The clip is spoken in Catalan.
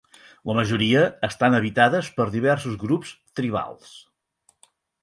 La majoria estan habitades per diversos grups tribals.